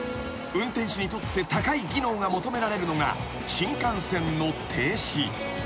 ［運転士にとって高い技能が求められるのが新幹線の停止］